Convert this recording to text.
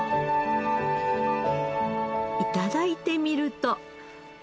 頂いてみると